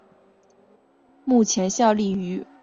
目前效力于崎玉西武狮担任先发投手。